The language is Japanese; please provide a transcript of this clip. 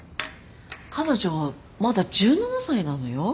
彼女まだ１７歳なのよ？